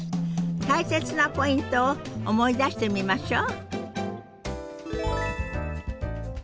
大切なポイントを思い出してみましょう。